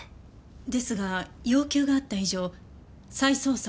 ですが要求があった以上再捜査を。